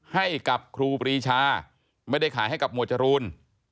ให้กับครูปรีชาไม่ได้ขายให้กับหมวดจรูน